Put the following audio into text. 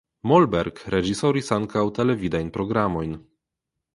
Mollberg reĝisoris ankaŭ televidajn programojn.